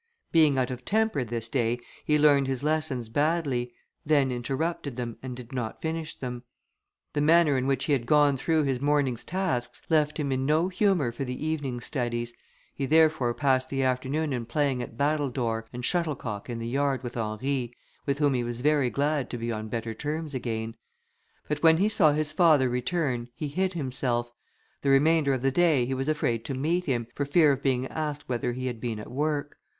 Being out of temper this day, he learned his lessons badly; then interrupted them, and did not finish them. The manner in which he had gone through his morning's tasks left him in no humour for the evening's studies: he therefore passed the afternoon in playing at battledore and shuttlecock in the yard with Henry, with whom he was very glad to be on better terms again; but when he saw his father return, he hid himself. The remainder of the day he was afraid to meet him, for fear of being asked whether he had been at work.